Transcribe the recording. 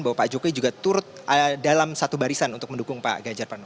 bahwa pak jokowi juga turut dalam satu barisan untuk mendukung pak ganjar pranowo